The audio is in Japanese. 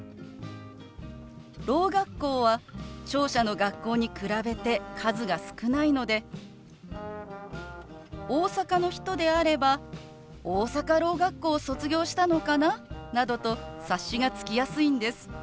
ろう学校は聴者の学校に比べて数が少ないので大阪の人であれば大阪ろう学校を卒業したのかななどと察しがつきやすいんです。